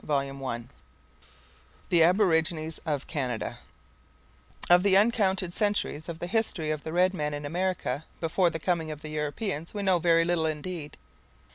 CHAPTER III THE ABORIGINES OF CANADA Of the uncounted centuries of the history of the red man in America before the coming of the Europeans we know very little indeed.